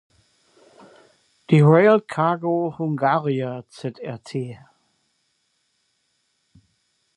Die "Rail Cargo Hungaria Zrt.